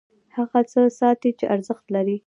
هغه څه ساتي چې ارزښت لري.